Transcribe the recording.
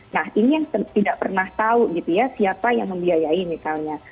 nah ini yang tidak pernah tahu gitu ya siapa yang membiayai misalnya